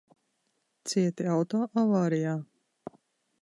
Cieti auto avārijā?